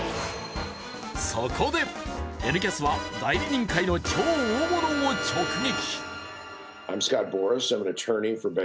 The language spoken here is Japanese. そこで、「Ｎキャス」は代理人界の超大物を直撃。